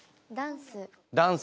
ダンス。